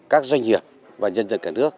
các doanh nghiệp và nhân dân cả nước